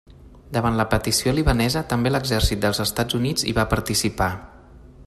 Davant la petició libanesa també l'exèrcit dels Estats Units hi va participar.